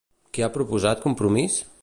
Què ha proposat Compromís?